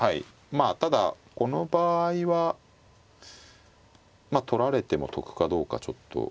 まあただこの場合はまあ取られても得かどうかちょっと。